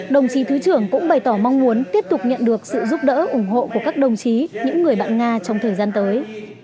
đồng chí thứ trưởng cũng bày tỏ mong muốn tiếp tục nhận được sự giúp đỡ ủng hộ của các đồng chí những người bạn nga trong thời gian tới